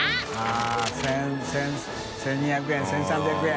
◆舛１２００円１３００円。